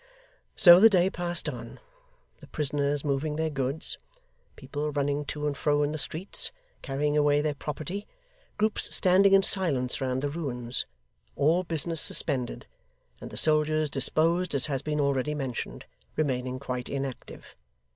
So the day passed on: the prisoners moving their goods; people running to and fro in the streets, carrying away their property; groups standing in silence round the ruins; all business suspended; and the soldiers disposed as has been already mentioned, remaining quite inactive.